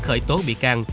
khởi tố bị can